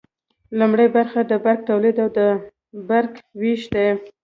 لومړی برخه د برق تولید او د برق ویش دی.